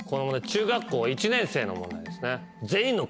中学校１年生の問題ですね。